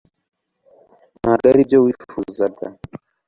ntabwo aribyo wifuzaga